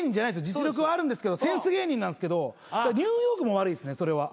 実力はあるんですけどセンス芸人なんすけどニューヨークも悪いっすねそれは。